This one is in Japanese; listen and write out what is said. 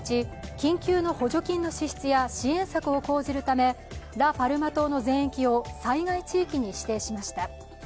緊急の補助金の支出や支援策を講じるためラ・パルマ島の全域を災害地域に指定しました。